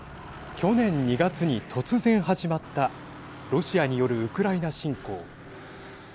去年２月に突然始まったロシアによるウクライナ侵攻。